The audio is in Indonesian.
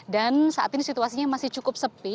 dan saat ini situasinya masih cukup sepi